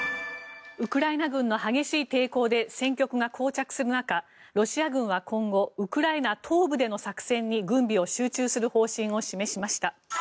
ウクライナ軍の激しい抵抗で戦局がこう着する中ロシア軍は今後ウクライナ東部での作戦に軍備を集中する方針を示しました。